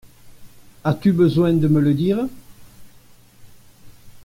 As-tu besoin de me le dire ?